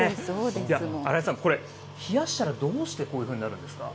新井さん、これ、冷やしたらどうしてこういうふうになるんですか。